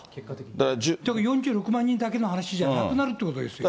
だから４６万人だけの話じゃなくなるっていうことですよ。